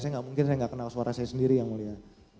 saya gak mungkin gak kenal suara saya sendiri yang mulia